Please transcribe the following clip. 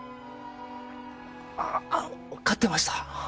あぁ飼ってました。